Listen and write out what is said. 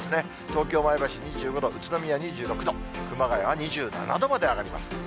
東京、前橋２５度、宇都宮２６度、熊谷は２７度まで上がります。